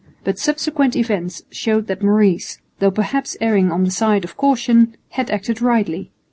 But subsequent events showed that Maurice, though perhaps erring on the side of caution, had acted rightly.